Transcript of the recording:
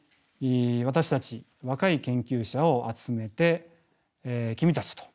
私たち若い研究者を集めて君たちと。